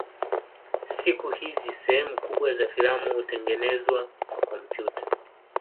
Siku hizi sehemu kubwa za filamu hutengenezwa kwa kompyuta.